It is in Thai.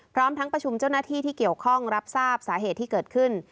พร้อมทั้งประชุมเจ้าหน้าที่ที่เกี่ยวข้องรับทราบสาเหตุที่เกิดขึ้น